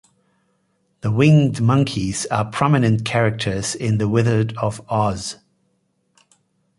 The winged monkeys are prominent characters in "The Wizard of Oz".